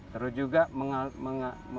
terus juga mengalami